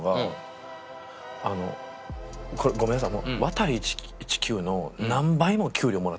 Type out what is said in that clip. これごめんなさい。